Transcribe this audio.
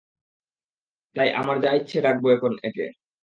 তাই আমার যা ইচ্ছে ডাকবো একে।